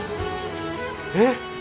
えっ！